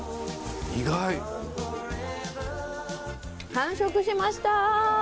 完食しました。